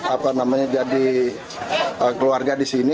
apa namanya jadi keluarga di sini